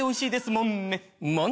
もんね。